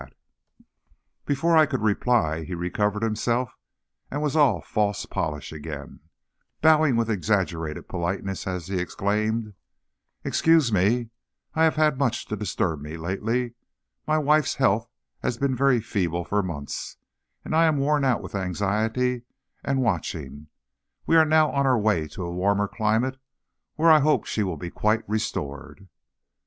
But before I could reply he recovered himself and was all false polish again, bowing with exaggerated politeness, as he exclaimed: "Excuse me; I have had much to disturb me lately. My wife's health has been very feeble for months, and I am worn out with anxiety and watching. We are now on our way to a warmer climate, where I hope she will be quite restored."